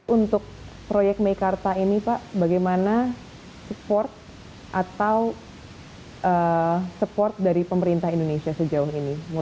untuk proyek meikarta ini pak bagaimana support atau support dari pemerintah indonesia sejauh ini